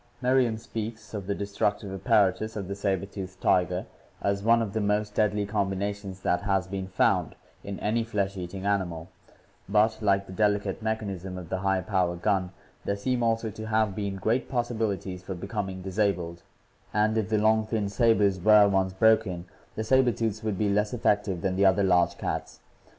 Merriam speaks of the destructive apparatus of the saber tooth tiger as "one of the most deadly combinations that has been found in any flesh eating animal, but like the delicate mechanism of the MODERNIZED MAMMALS AND CARNIVORES 575 high power gun there seem also to have been great possibilities for becoming disabled; and if the long, thin sabers were once broken the saber tooth would be less effective than the other large cats.